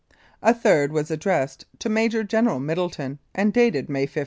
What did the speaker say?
A third was addressed to Major General Middleton, and dated May 15.